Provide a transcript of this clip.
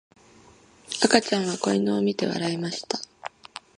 赤ちゃんは子犬を見て笑いました。